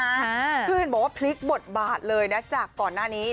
คือเห็นบอกว่าพลิกบทบาทเลยนะจากก่อนหน้านี้